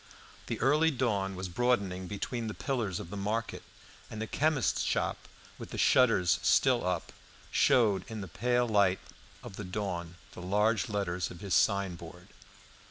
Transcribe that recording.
The early dawn was broadening between the pillars of the market, and the chemist's shop, with the shutters still up, showed in the pale light of the dawn the large letters of his signboard.